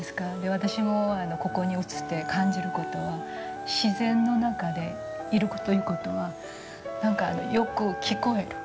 私もここに移って感じる事は自然の中でいるという事は何かよく聞こえる。